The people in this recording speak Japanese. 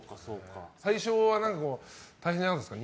最初は大変じゃないですか。